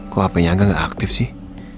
kok hpnya angga gak aktif sih